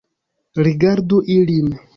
Rigardu ilin